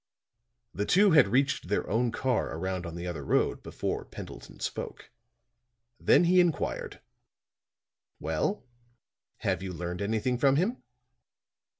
The two had reached their own car around on the other road before Pendleton spoke. Then he inquired: "Well, have you learned anything from him?"